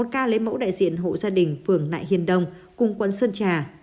một ca lấy mẫu đại diện hộ gia đình phường nại hiên đông cùng quận sơn trà